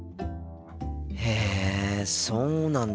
へえそうなんだ。